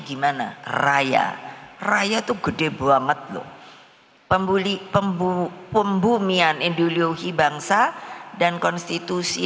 gimana raya raya itu gede banget loh pembuli pembumian ideologi bangsa dan konstitusi